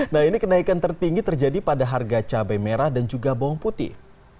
nah ini kenaikan tertinggi terjadi pada harga cabai merah dan juga bawang putih